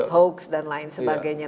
hoax dan lain sebagainya